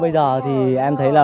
bây giờ thì em thấy là